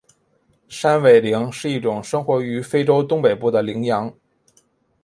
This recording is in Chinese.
山苇羚是一种生活于非洲东北部的羚羊。